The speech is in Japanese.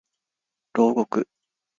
牢獄